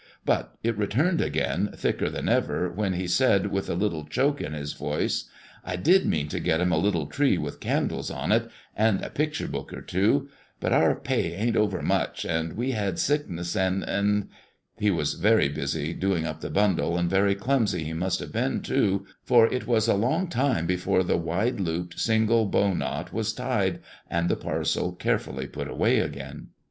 But it returned again, thicker than ever, when he said, with a little choke in his voice, "I did mean to get 'em a little tree, with candles on it, and a picture book or two; but our pay ain't overmuch, and we had sickness, and and" he was very busy doing up the bundle, and very clumsy he must have been, too, for it was a long time before the wide looped, single bow knot was tied, and the parcel carefully put away again.